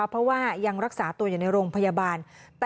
เพราะว่ายังรักษาตัวอยู่ในโรงพยาบาล